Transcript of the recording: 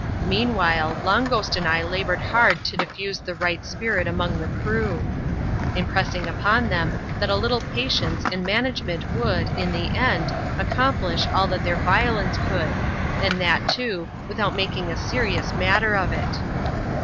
Meanwhile, Long Ghost and I laboured hard to diffuse the right spirit among the crew ; impressing upon them that a little patience and manage ment would, in the end, accomplish all that their violence could ; and that, too, without making a serious matter of it.